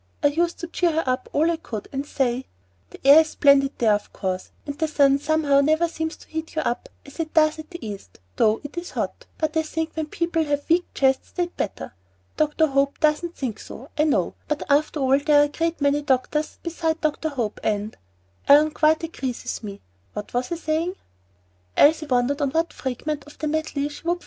I used to cheer her up all I could and say The air is splendid there, of course, and the sun somehow never seems to heat you up as it does at the East, though it is hot, but I think when people have weak chests they'd better Dr. Hope doesn't think so, I know, but after all there are a great many doctors beside Dr. Hope, and Ellen quite agrees with me What was I saying." Elsie wondered on what fragment of the medley she would fix.